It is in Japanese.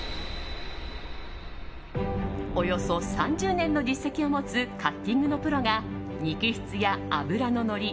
およそ３０年の実績を持つカッティングのプロが肉質や脂ののり